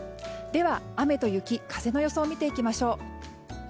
では、雨と雪風の予想を見ていきましょう。